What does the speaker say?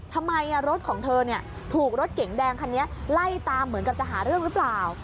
ทำไมรถของเธอถูกรถเก๋งแดงคันนี้ไล่ตามเหมือนกับจะหาเรื่องหรือเปล่า